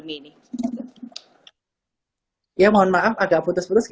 meminta aku tapi sudah ulang